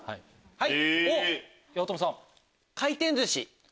はい！